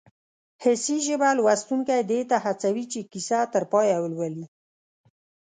حسي ژبه لوستونکی دې ته هڅوي چې کیسه تر پایه ولولي